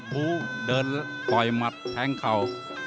บู๋เดินปล่อยมัดแท้งเข่า